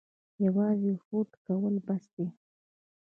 یوازې هوډ کول بس دي؟